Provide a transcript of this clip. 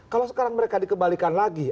kalau sekarang mereka dikembalikan lagi